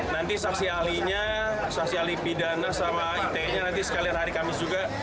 nanti saksi ahlinya saksi alipidana sama itn nya nanti sekalian hari kamis juga